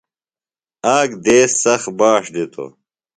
آک دیس سخت باݜ دِتوۡ۔